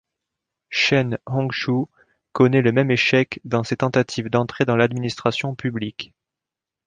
Chen Hongshou connait le même échec dans ses tentatives d'entrer dans l'administration publique.